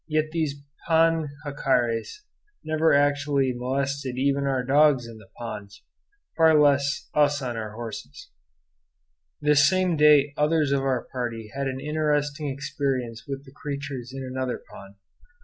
Yet these pond jacares never actually molested even our dogs in the ponds, far less us on our horses. This same day others of our party had an interesting experience with the creatures in another pond.